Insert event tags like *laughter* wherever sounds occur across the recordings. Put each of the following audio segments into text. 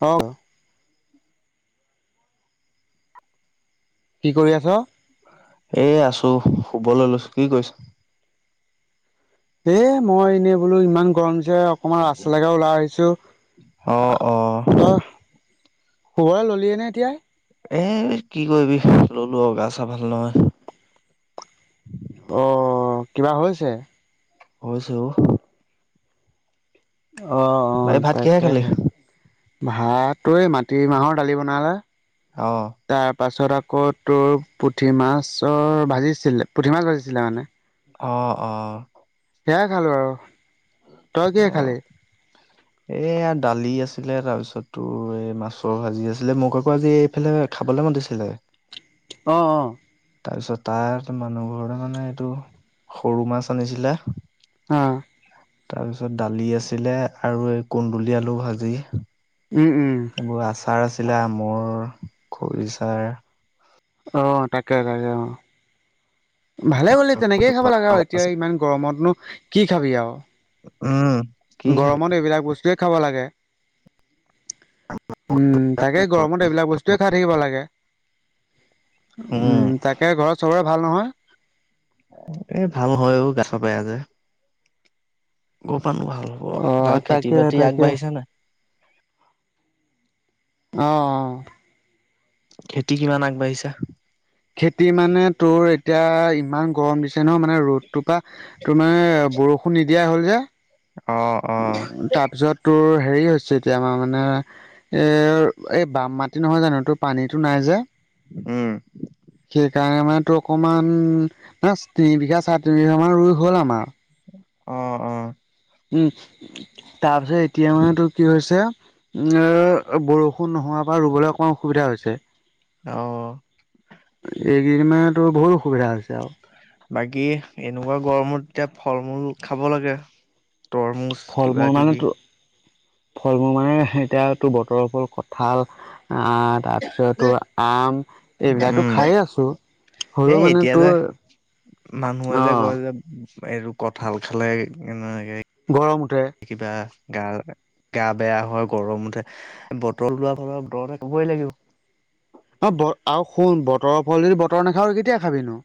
অ *inaudible* কি কৰি আছ। এ আছো শুবলে লৈছো কি কৰিছ। এ মই এনেই বোলো ইমান গৰম অকনমান ৰাস্তা লকে ওলাই আহিছো অ অ তই। শুবলে ললিয়ে নে এতিয়া। এ কি কৰিবি ললো আও গা চা ভাল নহয়। অ কিবা হৈছে। হৈছে অ, অ অ বাকী ভাত কিহে তাকে খালি? ভাতো এ মাটি মাহৰ দালি বনালে। অ তাৰ পাছত আকৌ তোৰ পুঠি মাছৰ ভাজিছিলে পুঠি মাছ ভাজিছিলে মানে। অ অ, সেয়াই খালো আৰু তই অ, কিহে খালি *inaudible* এয়া দালি আছিলে তাৰপিছতো এই মাছৰ ভাজি আছিলে মোক আকৌ আজি এইফালে। খাবলে মাতি ছিলে। অঁ অঁ তাৰপিছত তাত মানুহ ঘৰতে মানে এইটো সৰু মাছ আনিছিলে। অ তাৰ পিছত দালি আছিলে আৰু এই কুন্দুলি আলু ভাজি। উম উম। এইবোৰ আচাৰ আছিলে আমৰ খৰিচাৰ। অ তাকে তাকে অ, ভালে কৰিলি তেনেকেই খাব লাগে আৰু এতিয়া ইমান গৰমতনো কি খাবি আৰু উম, কি খাবি গৰমত এইবিলাক বস্তুৱে খাব লাগে। উম তাকে গৰমত এইবিলাক বস্তুৱেই খাই থাকিব লাগে। উম তাকে ঘৰত চবৰে ভাল নহয়। এ ভাল হয় অও গা চা বেয়া যে। ক পানো ভাল হ'ব অ' গাঁৱৰ খেতি তাকে বাতি তাকে। আগবাঢ়িছা নাই। অ অ, খেতি কিমান আগবাঢ়িছে। খেতি মানে তোৰ এতিয়া ইমান গৰম দিছে ন মানে ৰ'দ। তপা তোমাৰ বৰষুণ নিদিয়া হ'ল যে অ', অ', তাৰপিছত। তোৰ হেৰি হৈছে এতিয়া আমাৰ মানে। এই এই বাম মাটি নহয় জানো তো পানীটো নাই যে। উম সেইকাৰণে মানে তো অকমান মানে তিনি বিঘা চাৰে তিনি বিঘা মান ৰুই হ'ল আমাৰ। অ অ, উম তাৰপিছত এতিয়া মানে তো কি হৈছে। এ বৰষুণ নোহোৱাৰ পৰা ৰুবলে অকণমান অসুবিধা হৈছে। অ এই কেইদিনমানেতো বহুত অসুবিধা হৈছে আৰু বাকী এনেকুৱা গৰমত এতিয়া ফল-মূল খাব লাগে। তৰমুজ কিবা ফল-মূল মানে কিবি। তো ফল-মূল মানে এতিয়াটো বতৰৰ ফল ক ' কঁঠাল আঁ--তাৰপিছত তোৰ আম এইবিলাকটো উম। খাইয়ে আছোঁ। এ হ'লো মানে এতিয়া যে মানুহে তোৰ যে অঁ কয় যে এইটো কঁঠাল খালে এনেকে গৰম উঠে। কিবা গা গা বেয়া হয়, গৰম উঠে। বতৰ লোৱাৰ ফলত বতৰৰ কথা ক'বই লাগিব। অঁ ব আৰু শুন বতৰৰ ফল যদি বতৰত নাখাৱ কেতিয়া খাবি নো?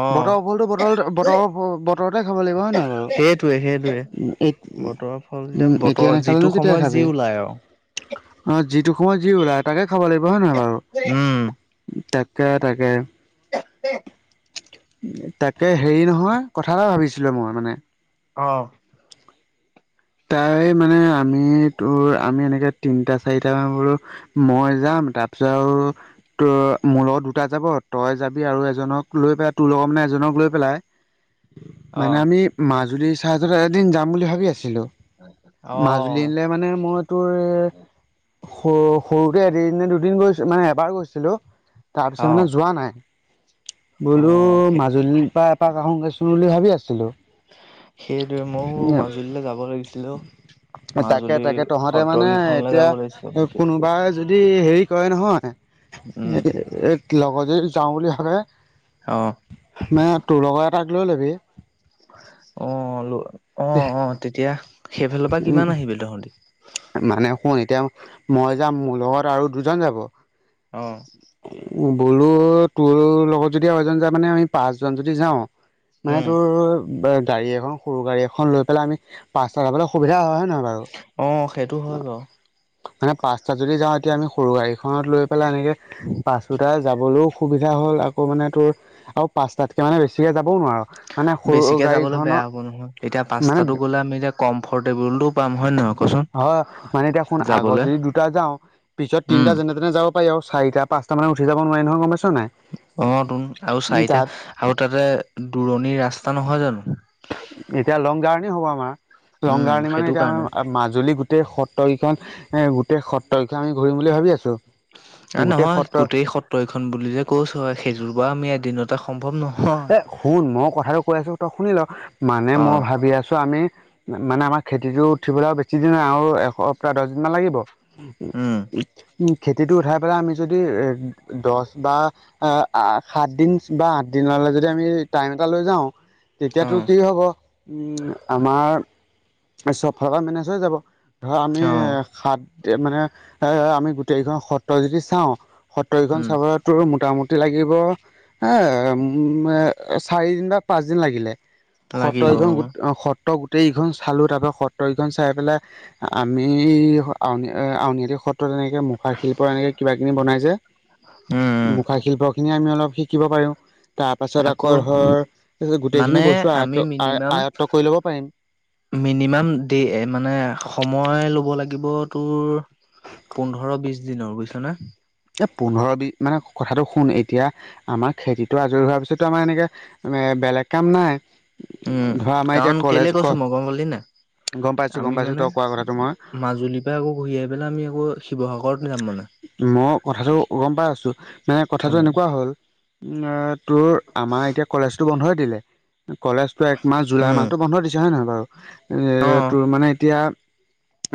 অ', বতৰৰ ফলটো বতৰতে বতৰৰ ব বতৰতে খাব লাগিব। হয় নহয় বাৰু? সেইটোৱে সেইটোৱে। উম, এ বতৰৰ ফল উম, এতিয়া বতৰ যিটো নাখালেনো কেতিয়া সময়ত যি খাবি। ওলাই আৰু। অঁ, যিটো সময়ত যি ওলায় তাকে খাব লাগিব। হয় নহয় বাৰু? উম- তাকে, তাকে। তাকে হেৰি নহয়, কথা এটা ভাৱিছিলোঁ মই মানে অঁ তাই মানে আমি তোৰ আমি এনেকে তিনটা, চাৰিটামান বোলো মই যাম তাৰপিছত আৰু তোৰ মোৰ লগত দুটা যাব, তই যাবি আৰু এজনক লৈ পেলাই তোৰ লগৰ মানে এজনক লৈ পেলাই অ', মানে আমি মাজুলীৰ চাইডলে এদিন যাম বুলি ভাৱি আছিলোঁ। হয়, অ। মাজুলীলে মানে মই তোৰ এ সৰু সৰুতে এদিন নে দু দুদিন গৈছোঁ মানে এবাৰ গৈছিলোঁ। তাৰপিছত মানে অ', যোৱা নাই। বোলো অ', সেই মাজুলীৰ পৰা এপাক আহোগেচোন বুলি ভাবি আছিলোঁ। সেইটোৱে। মও বোলো মাজুলীলে যাব লাগিছিলে অও। তাকে, তাকে তহঁতে মানে এতিয়া যাব লাগিছিলে বিশেষকে কোনোবাই যদি হেৰি কয় নহয়, উম, এ লগৰ যদি যাওঁ বুলি ভাৱে অঁ। মানে তোৰ লগৰ এটাক লৈ ল'বি। অঁ, ল অঁ, অঁ তেতিয়া সেইফালৰ পৰা উম কিমান আহিবি তহঁতি? মানে শুন এতিয়া মই যাম, মোৰ লগত আৰু দুজন যাব। অঁ। বোলো তোৰ লগত যদি আৰু এজন যায়। মানে, আমি পাঁচজন যদি যাওঁ মানে উম। তোৰ গা--গাড়ী এখন, সৰু গাড়ী এখন লৈ পেলাই আমি পাঁছটা যাবলে সুবিধা হয়। হয় নহয় বাৰু? অঁ সেইটো হয় বাৰু। মানে পাঁচটা যদি যাওঁ এতিয়া আমি সৰু গাড়ীখনত লৈ পেলাই এনেকে পাঁচোটা যাবলো সুবিধা হ'ল আকৌ মানে আৰু পাঁচটাতকে মানে বেছিকে যাবও নোৱাৰ। মানে সৰু বেছিকে যাবলৈ বেয়া গাড়ীখনত মানে কম্ফৰ্টেবলটো পাম। হয় নহয়? কচোন হয়, মানে এতিয়া শুন। আগত যাবলৈ যদি দুটা যাওঁ, পিছত উম। তিনটা যেনে-তেনে যাব পাৰি আৰু চাৰিটা- পাঁচটা মানুহে উঠি যাব নোৱাৰি নহয় গমপাইছ নাই? অঁ, টোন আৰু চাৰিটা তাত আৰু তাতে দূৰণিৰ ৰাস্তা নহয় জানো? এতিয়া লং জাৰ্ণিয়ে হ'ব আমাৰ। লং উম জাৰ্ণি মানে সেইটো এতিয়া কাৰণে আমাৰ মা মাজুলী গোট্ গোটেই সত্ৰকখন এ গোটেই সত্ৰৰখন আমি ঘূৰিম বুলি ভাবি আছো। অহ গোটেই নহয় সত্ৰ গোটেই সত্ৰইখন বুলি যে কওঁছো সেইযোৰ পৰা আমি এদিনতে - সম্ভৱ এ নহয়। শুন মই কথাটো কৈ আছো তই শুনি ল মানে অ মই ভাবি আছো আমি- মানে আমাৰ খেতিটো উঠিবলৈ আৰু বেছি দিন নাই আৰু এশৰ পৰা দহ দিনমান লাগিব। উ উ উম উ উম। খেতিটো উঠাই পেলাই আমি যদি দহ বা, সাত দিন বা আঠ- দিনলে যদি আমি টাইম এটা লৈ যাওঁ, অ তেতিয়াতটো কি হব? আমাৰ, চব ফালৰ পৰা মেনেজ হৈ যাব ধৰ আমি অ সাত- মানে এ আমি গোটেইকেইখন সত্ৰ যদি চাওঁ সত্ৰকেইখন উম চাব- ত মোটামুটি লাগিব, এ- চাৰিদিন বা পাঁচদিন লাগিলে, সত্ৰ লাগিব অ এখন গোট সত্ৰ- গোটেইখন চালোঁ তাৰ পৰা সতৰকখন চাই পেলাই- আমি আউনীআ সত্ৰ তেনেকে মখ- মুখা শিল্প এনেকৈ কিবা কিনি বনাই যে, উম উম মুখা শিল্পখিনি আমি অলপ শিকিব পাৰোঁ। তাৰ পাছত আকৌ ধৰ পিছত মানে গোটেইখিনি বস্তু আমি আয়ত মিনিমাম আয়ত্ব কৰি ল'ব পাৰিম। মিনিমাম দেই মানে সময় ল'ব লাগিব তোৰ- পোন্ধৰ বিশ দিনৰ বুজিছ নে? এ পোন্ধৰ বিশ মানে কথাটো শুন এতিয়া- আমাৰ খেতিতটো আজৰি হোৱাৰ পিছতো আমাৰ এনেকে বেলেগ কাম নাই। উম, ধৰা আমাৰ এতিয়া কাৰণ কলেজ কেলে ক কৈছো মই গম পালি নে নাই? গম পাইছোঁ গম আমি পাইছোঁ মানে, তই কোৱা কথাটো মই মাজুলীৰ পৰা আকৌ ঘূৰি আহি পেলাই আমি আকৌ শিৱসাগৰত- যাম মানে মই কথাটো গম পাই আছো মানে কথাটো উম, এনেকুৱা হ'ল- তোৰ আমাৰ এতিয়া কলেজটো বন্ধই দিলে। কলেজতটো একমাহ জুলাই উম, মাহতো বন্ধ দিছে হয়ে নহয় বাৰু এ অ', তোৰ মানে এতিয়া-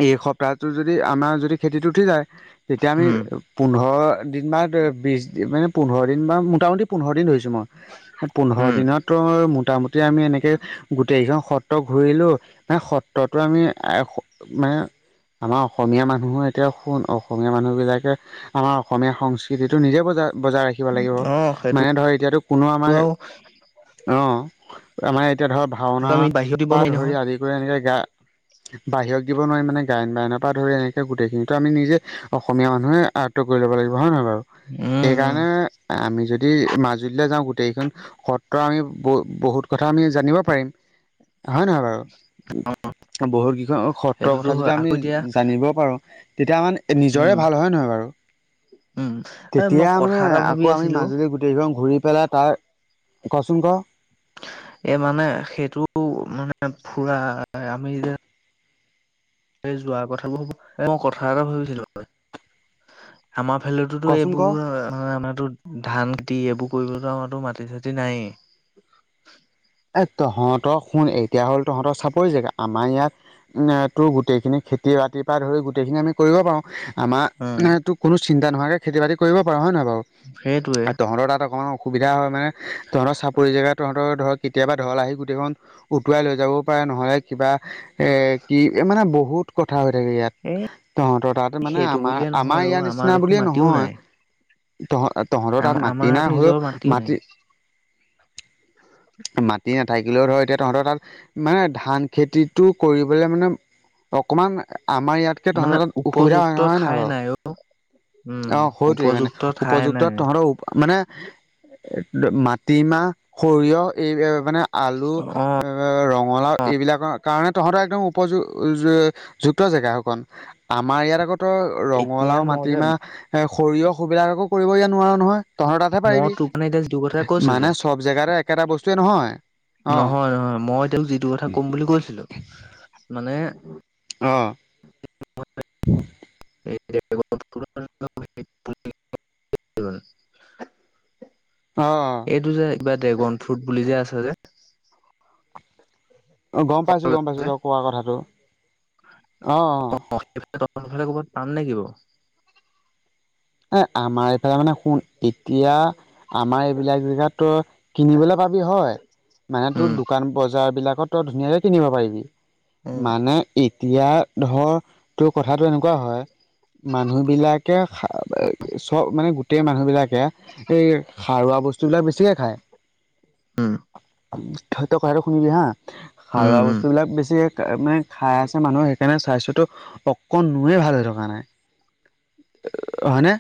এইসপ্তাহটো যদি আমাৰ যদি খেতিত উঠি যায়, তেতিয়া আমি- উম, পোন্ধৰ দিন বা বিশ মানে পোন্ধৰ দিন বা মোটামুটি পোন্ধৰ দিন ধৰিছোঁ মই। পোন্ধৰ উম, দিনততো মোটামুটি আমি এনেকে গোটেইকেইখন সত্ৰ ঘূৰিলো। মানে সত্ৰতো আমি মানে, আমাৰ অসমীয়া মানুহৰ এতিয়া শুন- অসমীয়া মানুহবিলাকে আমাৰ অসমীয়া সংস্কৃতিটো নিজে বজাই- বজাই ৰাখিব লাগিব, অ', সেইটো মানে ধৰ এতিয়াতো কোনো আমাৰ- অ, আমাৰ এতিয়া ধৰ ভাওনা আমি বাহিৰত দিব বা নোৱাৰি ধৰি নহয়। আদি- এনেকে গা, বাহিৰক দিব নোৱাৰিম মানে গায়ন বায়ননৰ পৰা ধৰি এনেকে গোটেই খিনিতো আমি নিজে- অসমীয়া মানুহে আয়ত্ব কৰি ল'ব লাগিব হয় নে নহয় বাৰু? উম। উম, সেইকাৰণে আমি যদি মাজুলীলৈ যাওঁ গোটেইকেইখন- সত্ৰ আমি বহু বহুত কথা আমি জানিব পাৰিম, হয়ে নহয় বাৰু? বহুত কেইখন সত্ৰৰ সেইটোতো কথা যদি হয় আমি আকৌ এতিয়া জানিব পাৰো তেতিয়া মানে - নিজৰে উম, ভাল হয় নহয় বাৰু? উম, এ মই তেতিয়া কথা মানে এটা ভাবি আকৌ আমি আছিলোঁ মাজুলী- গোটেইকেইখন ঘূৰি পেলাই তাৰ, কচোন ক? এই মানে সেইটো মানে ফুৰা আমি যে- এই যোৱা কথাবোৰ হব, মই কথা এটা ভাবিছিলো। আমাৰ ফালতোতো কচোন ক এইবোৰ আমাৰ টো- ধান খতি এইবোৰ কৰিবতো আমাৰো মাটি চাতি নাই। এ তহঁতৰ শুন এতিয়া হ'ল তহঁতৰ চাপৰি জেগা আমাৰ ইয়াত। তো গোটেইখিনি খেতি বাতিৰ পৰা ধৰি গোটেইখিনি আমি। কৰিব পাৰোঁ উম, আমাৰতো কোনো চিন্তা নোহোৱাকৈ খেতি বাতি কৰিব পাৰোঁ হয় নহয় বাৰু। সেইটোয়ে। তহঁতৰ তাত অকণমান অসুবিধা হয় মানে তহঁতৰ চাপৰি জেগা তহঁতৰ ধৰক। কেতিয়াবা ধৰল আহি গোটেইখন উটুৱাই লৈ যাবও পাৰে নহ'লে কিবা। এ' কি মানে বহুত কথা হৈ থাকে ইয়াত। তহঁতৰ তাত মানে সেইটো আমাৰ- বুলিয়ে আমাৰ নহয় ইয়াৰ অ' আমাৰ নিচিনা দেখোন বুলিয়ে মাটিও নহয় নাই। তহঁত। তহঁতৰ তাত আমাৰ মাটি আমাৰতো নাই হ'লেও নিজৰ মাটিও নাই মাটি। মাটি নাথাকিলেও ধৰ এতিয়া তহঁতৰ তাত মানে ধান খেতিটো কৰিবলৈ মানে। অকমান আমাৰ ইয়াতকে মানে তহঁত অসুবিধা হয় উপযুক্ত নহয় ঠাই নহয় নাই অ'। উম, বাৰু। অ' সেইটোৱেই মানে উপযুক্ত ঠাই উপযুক্ত নাই। তহঁতৰ মানে। মাটিমাহ সৰিয়হ এই মানে আলু। ৰঙালাও এইবিলাকৰ কাৰণে তহঁতৰ একদম উপযু যুক্ত জেগা অকণ। আমাৰ ইয়াত আগ তো এতিয়া ৰঙালাও মই যে মাটিমাহ। এ' সৰিয়হ সুবিধাকো কৰিবই নোৱাৰো নহয়। তহতৰ তাতে মই পাৰিবি, তোক মানে এতিয়া যিটো কথা কৈছো মানে যে সব জোগাতে একেটা বস্তু। নহয় নহয়, মই তেওঁক যিটো কথা। কম বুলি কৈছিলো মানে। অঁ। *unintelligible* ৱন *inaudible* অঁ। এইটো যে কিবা ড্ৰেগন ফ্ৰুট বুলি যে আছে যে। অঁ গম ফল পাইছোঁ, গম পাইছোঁ যে তই কোৱা কথাটো অঁ অ। এইফালে তফালে ক'ৰবাত পাম নে কি ব *unintelligible* এ' আমাৰ এইফালে মানে শুন এতিয়া আমাৰ এইবিলাক জেগাতো। কিনিবলৈ পাবি হয়, মানে তোৰ উম। দোকান বজাৰ বিলাকত তই ধুনীয়াকে কিনিব পাৰিবি। উম। মানে ই। এতিয়া ধৰ তো কথাটো এনেকুৱা হয়, মানুহ বিলাকে। চব মানে গোটেই মানুহবিলাকে এই সাৰুৱা বস্তুবিলাক বেছিকে খায়। উম। তই কথাটো শুনিবি হা। উম, সাৰুৱা উম, বস্তুবিলাক বেছি মানে খাই আছে মানুহে সেইকাৰণে স্বাস্থ্যটো। অকণ নোৱে ভাল হৈ থকা নাই। হয়নে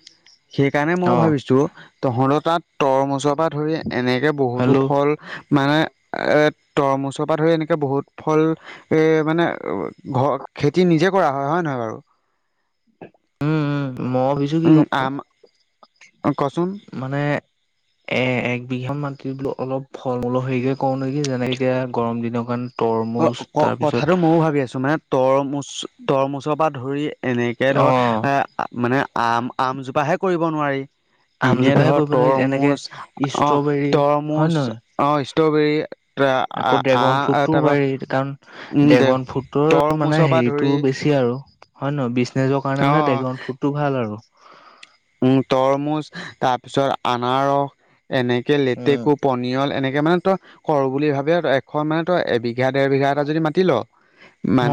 সেইকাৰণে মই অ' ভাবিছো, তহঁতৰ তাত তৰমুজৰ পৰাত। ধৰি এনেকে বহুতো হেল্ল' ফল। মানে তৰমুজৰ পৰা ধৰি এনেকৈ বহুত ফল। এ' মানে ঘৰত খেতি নিজে কৰা হয় হয় নহয় বাৰু। উম উম, মই। কি উম, গম আমি কচোন। মানে। এ' এক বিঘা মাতিত বোলো অলপ ফল মূলৰ হেৰিকে কৰওঁ নেকি যেনেক এতিয়া গৰম দিনৰ কাৰণে। তৰমুজ অ' তাৰপিছত কথাটো ময়ো ভাবি আছো, মানে তৰমুজ তৰমুজৰ পৰা ধৰি এনেকে ধৰ অ' আ। মানে আম আমজোপাহে কৰিব নোৱাৰি। এনে আমজোপাই ধৰ কৰিব নোৱাৰি যেনেকে তৰমুজ, অ' ষ্ট্ৰবেৰী হয় তৰমুজ নহয় অ' ষ্ট্ৰবেৰী। *unintelligible* কু পাৰি কাৰণ উম দে ড্ৰেগন ফুটোৰ মানে তৰমুজৰ পৰা হেৰিটো ধৰি বেছি আৰু। হয় নহয় বিজনেছৰ কাৰণে মানে অ ড্ৰেগন ফ্ৰুডটো ভাল আৰু। উম তৰমুজ তাৰপিছত আনাৰস এনেকে লেতেকু পনিয়ল এনেকে মানে ত কৰ বুলি ভাবে ত এশ মানে তই এবিধ বিঘা দেৰ বিঘা এটা যদি মাটি ল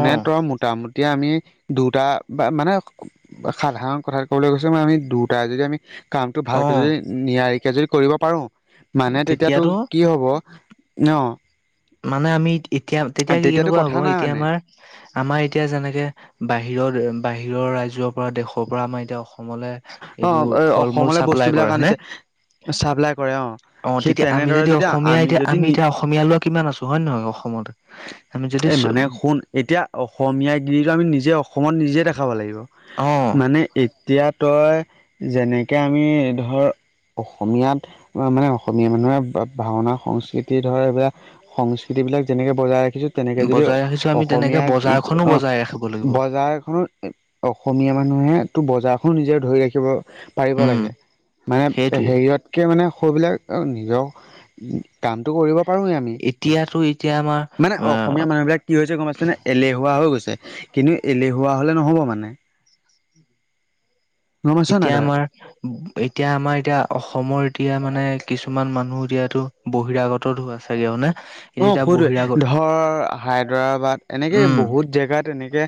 অ তৰ মোট- টামুটি আমি দুটা বা মানে সাধাৰণ কথা কবলৈ গৈছে মানে আমি দুটাই যদি আমি কামটো অ ভালকে যদি নিয়াৰিকে যদি কৰিব পাৰোঁ। মানে তেতিয়াতো কি হ'ব ন মানে আমি এতিয়া তেতিয়া কি তেতিয়াতো কেনেকুৱা হব কথা নাই এতিয়া মানে আমাৰ আমাৰ এতিয়া যেনেকে বাহিৰৰ বাহিৰৰ ৰাজ্য পৰা দেশৰ পৰা আমাৰ এতিয়া অসমলে অ এইবোৰ ফল মূল অসমলৈ চাপ্লাই বস্তুবিলাক কৰে হয়নে? আনিছে চাপ্লাই কৰে অ সেই তেতিয়া আমি তেনেদৰে যদি অসমীয়া এতিয়া যদি আমি নি এতিয়া অস- অসমীয়া লোৱা কিমান আছো হয় নে নহয় অসমত আমি যদি এ মানে শুন এতিয়া অসমীয়া গিৰিটো আমি নিজে অসমত নিজে দেখাব লাগিব। অ মানে এতিয়া তই যেনেকে আমি ধৰ অসমীয়াত মানে অসমীয়া মানুহে বাপ ভাওনা সংস্কৃতি ধৰ এইবিলাক সংস্কৃতি বিলাক যেনেকে বজাই ৰাখিছো। তেনেকে যদি বজাই ৰাখিছো আমি তেনেকে অসমীয়া বজাৰখনো অ বজাই ৰাখিব লাগিব বজাৰখনত অসমীয়া মানুহেটো বজাৰখন নিজে ধৰি ৰাখিব পাৰিব উম লাগে মানে সেইটোৱে হেৰিয়ত কে মানে সবিলাক নিজৰ কামটো কৰিব পাৰোঁৱেই আমি। এতিয়াতো এতিয়া মানে আমাৰ অ অসমীয়া মানুহবিলাক কি হৈছে গম পাইছেনে এলেহুৱা হৈ গৈছে, কিন্তু এলেহুৱা হ'লে নহ'ব মানে *inaudible* পাইছ নাই এতিয়া তই? আমাৰ এতিয়া আমাৰ এতিয়া অসমৰ এতিয়া মানে কিছুমান মানুহ এতিয়াতো বহিৰাগতত ধোৱা চাগে অনে অ সুধোৱে, ধৰ হায়দৰাবাদ এনেকে উম বহুত জেগাত এনেকে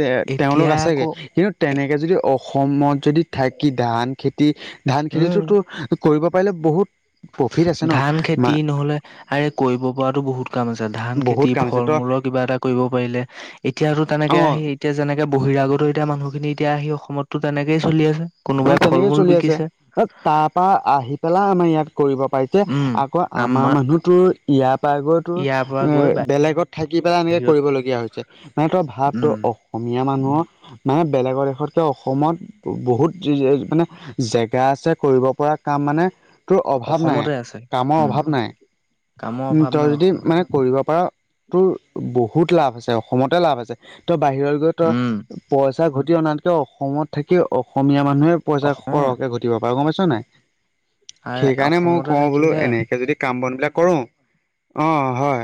তে এতিয়া তেওঁলোক আছেগে আকৌ কিন্তু তেনেকে যদি অসমত যদি থাকি ধান খেতি ধান উম খেতিটোতো কৰিব পাৰিলে বহুত প্ৰফিট আছে ন ধান খেতি মা নহ'লে আৰে কৰিব পৰাতো বহুত কাম আছে ধান বহুত খেতি কাম আছে ফল তই মূলৰ কিবা এটা কৰিব পাৰিলে এতিয়াতো তেনেকে অ' আহি এতিয়া যেনেকে বহিৰাগত এতিয়া মানুহখিনি এতিয়া আহি অসমতো তেনেকেই চলি আছে। অ কোনোবাই ফল তেনেকে মূল চলি আছে বিকিছে তাৰ পৰা আহি পেলাই আমাৰ ইয়াত কৰিব পাৰি- যে উম, আকৌ আমাৰ মানুহ তো ইয়াৰ পা গৈ তোৰ ইয়াৰ পৰা এ গৈ বা বেলেগত থাকি পেলাই এনেকে কৰিবলগীয়া হৈছে সেতৰ ভাৱটো উম, অ- অসমীয়া মানুহৰ মানে বেলেগৰ দেশতকে অসমত বহুত জে জে মানে জেগ- গা আছে কৰিব পৰা কাম মানে তোৰ অভাৱ নাই অসমতে আছে। কামৰ উম, অভাৱ নাই কামৰ উ অভাৱ তই নাই যদি অসমত। মানে কৰিব পাৰ তোৰ বহুত লাভ আছে অসমতে লাভ আছে তই বাহিৰত গৈ তই উম, পইচা ঘটি অনাতকে অসমত থাকি অসমীয়া মানুহে পইচা অস অ', সৰহকে ঘট- টিব পাৰে গম পাইছ নাই, আ সেইকাৰণে মই অসমতে কওঁ বোলো থাকিলে এনেকে যদি কাম বন বিলাক কৰো, অৱ হয়।